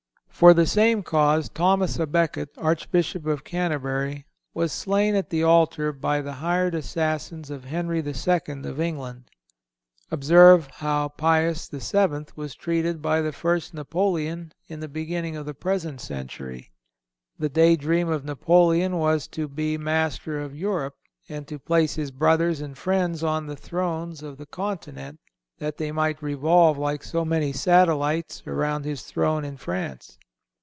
For the same cause Thomas à Becket, Archbishop of Canterbury, was slain at the altar by the hired assassins of Henry II., of England. Observe how Pius VII. was treated by the first Napoleon in the beginning of the present century. The day dream of Napoleon was to be master of Europe, and to place his brothers and friends on the thrones of the continent, that they might revolve, like so many satellites, around his throne in France.